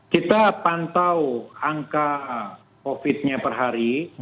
kita pantau angka covid nya per hari